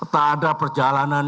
tak ada perjalanan